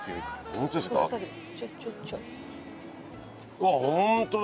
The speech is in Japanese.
うわあホントだ！